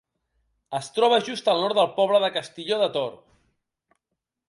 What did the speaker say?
Es troba just al nord del poble de Castilló de Tor.